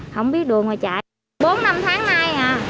không biết đường mà chạy